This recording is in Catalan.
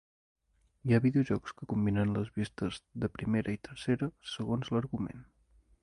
Hi ha videojocs que combinen les vistes de primera i tercera segons l'argument.